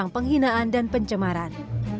penghinaan dan pencamaran